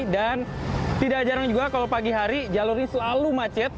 dan tidak jarang juga kalau pagi hari jalur ini selalu macet